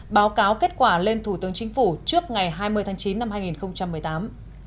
báo cáo kết quả lên thủ tướng chính phủ trước ngày hai mươi tháng chín năm hai nghìn một mươi tám